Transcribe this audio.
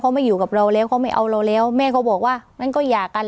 เขาไม่อยู่กับเราแล้วเขาไม่เอาเราแล้วแม่เขาบอกว่างั้นก็หย่ากัน